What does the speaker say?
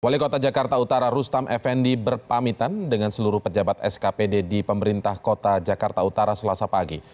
wali kota jakarta utara rustam effendi berpamitan dengan seluruh pejabat skpd di pemerintah kota jakarta utara selasa pagi